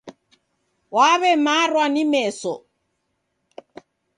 Waw'emarwa ni meso.